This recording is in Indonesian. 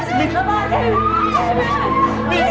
pergi kamu dari sini